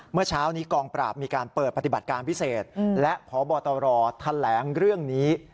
เมื่อเช้านี้กองปราบมีการเปิดปฏิบัติการพิเศษและพบตรแถลงเรื่องนี้